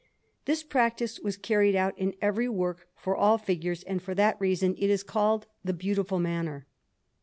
This practice was carried out in every work for all figures, and for that reason it is called the beautiful manner.